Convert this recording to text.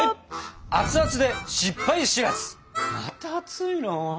また熱いの？